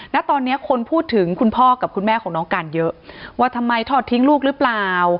ณตอนนี้คนพูดถึงคุณพ่อกับคุณแม่ของน้องการเยอะว่าทำไมทอดทิ้งลูกหรือเปล่า